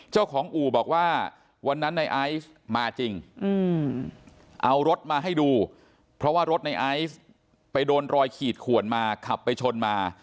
อู่บอกว่าวันนั้นในไอซ์มาจริงเอารถมาให้ดูเพราะว่ารถในไอซ์ไปโดนรอยขีดขวนมาขับไปชนมา